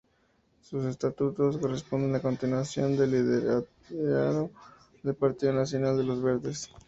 Sus estatutos corresponden a la continuación del ideario del partido nacional de "Los Verdes".